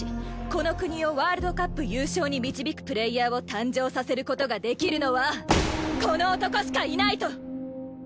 この国をワールドカップ優勝に導くプレーヤーを誕生させる事ができるのはこの男しかいないと！